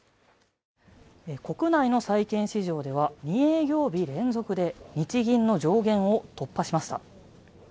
国内の債券市場では、２営業日連続で日銀の上限を突破しました。